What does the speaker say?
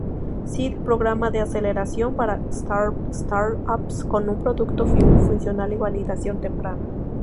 Seed: Programa de aceleración para startups con un producto funcional y validación temprana.